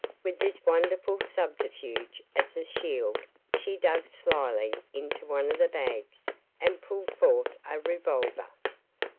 With this wonderful subterfuge as a shield she dug slyly into one of the bags and pulled forth a revolver.